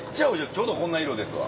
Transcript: ちょうどこんな色ですわ。